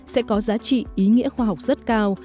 sẽ có giá trị ý nghĩa khoa học rất cao